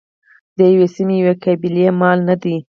د یوې سیمې یوې قبیلې مال نه دی.